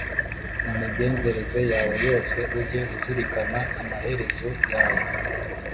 Mu migenzereze yawe yose ujye uzirikana amaherezo yawe,